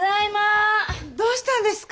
どうしたんですか？